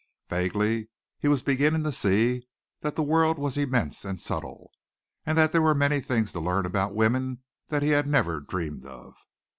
Vaguely he was beginning to see that the world was immense and subtle, and that there were many things to learn about women that he had never dreamed of.